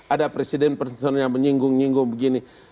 ada presiden yang menyinggung nyinggung begini